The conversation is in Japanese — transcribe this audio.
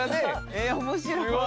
え面白い。